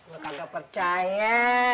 gak ada percaya